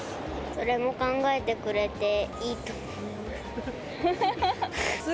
それも考えてくれていいと思います。